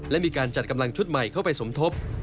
และมีการจัดกำลังชุดใหม่เข้าไปสมทบ